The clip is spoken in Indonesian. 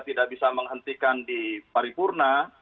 tidak bisa menghentikan di paripurna